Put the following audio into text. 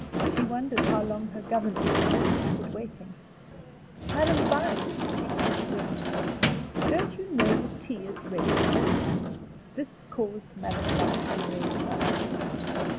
She wondered how long her governess meant to keep it waiting. "Madame Vine," cried she presently, "don't you know that tea is ready?" This caused Madame Vine to raise her eyes.